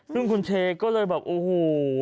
ซึ่งคุณเชก็เลยแบบโอ้โห